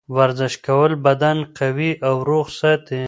ورزش کول بدن قوي او روغ ساتي.